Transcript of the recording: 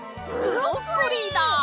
ブロッコリーだ！